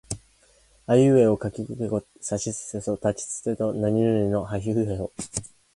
あいうえおかきくけこさしすせそたちつてとなにぬねのはひふへほ